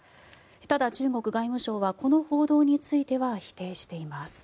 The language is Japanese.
ただ、中国外務省はこの報道については否定しています。